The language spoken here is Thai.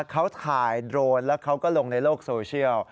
เขาถ่ายโดรนแล้วเขาก็ลงในโลกโซเชียล